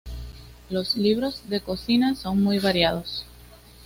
Los libros de cocina son muy variados.